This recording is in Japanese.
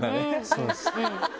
そうです。